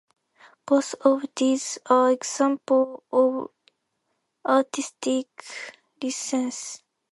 Both of these are examples of artistic license.